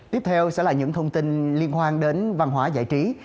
tiếp theo sẽ là những thông tin liên quan đến văn hóa giải trí